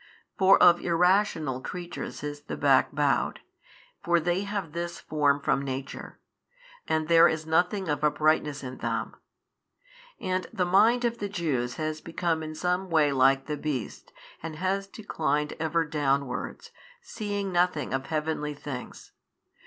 For of irrational creatures is the back bowed, for they have this form from nature, and there is nothing of uprightness in them. And the mind of the Jews has become in some way like the beasts and has declined ever downwards, seeing nothing of heavenly things.